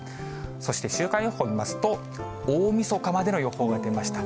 そして、週間予報を見ますと、大みそかまでの予報が出ました。